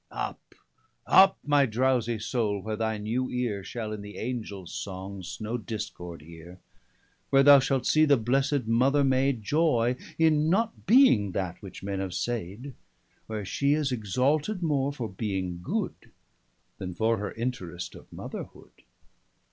Up, up, my drowsie Soule, where thy new eare Shall in the Angels songs no discord heare; 340 Where thou shalt see the blessed Mother maid Joy in not being that, which men have said. Where she is exalted more for being good, Then for her interest of Mother hood.